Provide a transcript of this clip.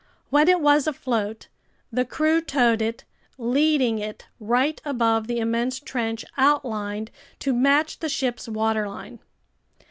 When it was afloat, the crew towed it, leading it right above the immense trench outlined to match the ship's waterline.